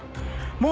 もう。